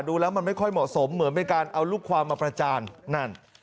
ดูแล้วมันไม่ค่อยเหมาะสมเหมือนเป็นการเอาลูกความมาประจานนั่น